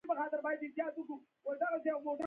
ښایي ډېر خلک د اولیاوو پر کرامت باور ونه لري.